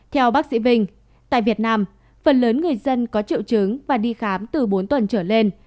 theo bác sĩ vinh tại việt nam phần lớn người dân có triệu chứng và đi khám từ bốn tuần trở lên